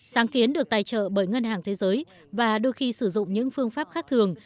sáng kiến được tài trợ bởi ngân hàng thế giới và đôi khi sử dụng những phương pháp khác thường